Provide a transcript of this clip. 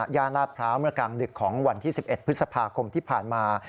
ลาดพร้าวเมื่อกลางดึกของวันที่๑๑พฤษภาคมที่ผ่านมา